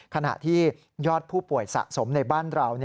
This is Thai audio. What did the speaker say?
ขณะที่ยอดผู้ป่วยสะสมในบ้านเรา